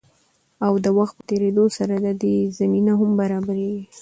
او د وخت په تېريدو سره د دې زمينه هم برابريږي.